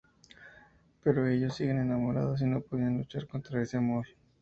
Pero ellos siguen enamorados y no podrán luchar contra ese amor.